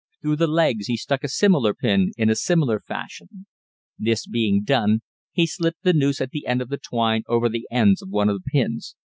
Through the legs he stuck a similar pin in a similar fashion. This being done, he slipped the noose at the end of the twine over the ends of one of the pins.